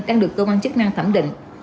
đang được công an chức năng thẩm định